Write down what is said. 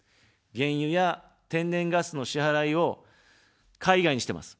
原油や天然ガスの支払いを海外にしてます。